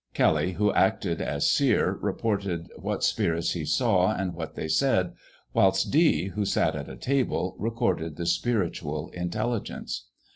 Kelly, who acted as seer, reported what spirits he saw, and what they said; whilst Dee, who sat at a table, recorded the spiritual intelligence.